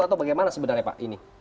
atau bagaimana sebenarnya pak